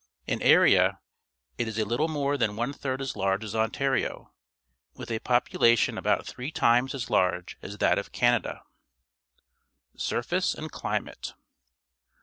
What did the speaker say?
In area it is a little more than one third as large as Ontario, with a population about three times as large as that of Canada. Surface and Climate.